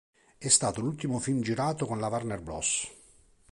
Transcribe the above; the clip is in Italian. È stato l'ultimo film girato con la Warner Bros.